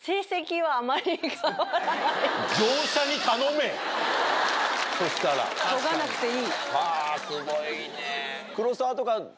はぁすごいね。